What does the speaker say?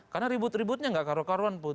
karena ribut ributnya tidak karuan karuan